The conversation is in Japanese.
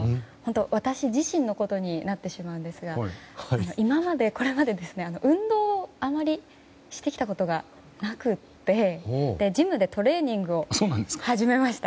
私自身のことになってしまうんですが今まで運動をあまりしてきたことがなくてジムでトレーニングを始めました。